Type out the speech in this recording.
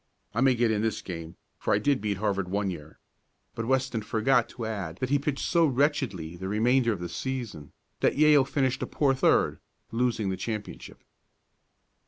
I may get in this game, for I did beat Harvard one year." But Weston forgot to add that he pitched so wretchedly the remainder of the season that Yale finished a poor third, losing the championship.